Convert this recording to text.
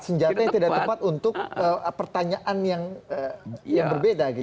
senjata yang tidak tepat untuk pertanyaan yang berbeda gitu